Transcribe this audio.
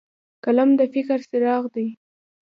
قلم د فکر څراغ دی